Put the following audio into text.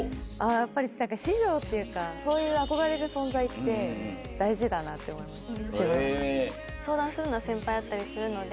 やっぱり師匠っていうかそういう憧れる存在って大事だなって思いました。